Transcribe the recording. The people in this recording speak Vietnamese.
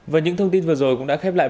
và những thông tin vừa rồi cũng đã khép lại